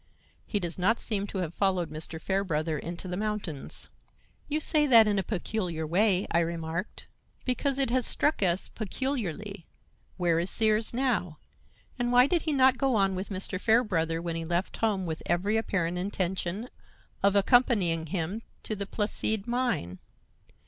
He does not seem to have followed Mr. Fairbrother into the mountains." "You say that in a peculiar way," I remarked. "Because it has struck us peculiarly. Where is Sears now? And why did he not go on with Mr. Fairbrother when he left home with every apparent intention of accompanying him to the Placide mine?